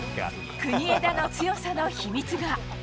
国枝の強さの秘密が。